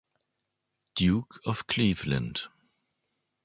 Duke of Cleveland.